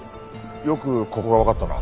よくここがわかったな。